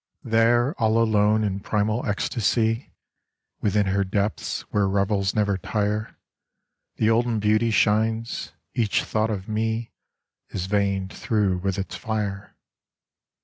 There all alone in primal ecstasy, Within her depths where revels never tire, The olden Beauty shines : each thought of me Is veined through with its fire.